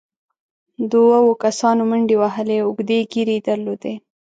دوو کسانو منډې وهلې، اوږدې ږېرې يې درلودې،